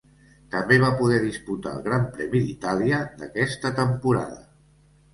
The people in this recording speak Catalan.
També va poder disputar el Gran Premi d'Itàlia d'aquesta temporada.